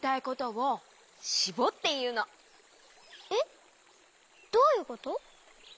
えっどういうこと？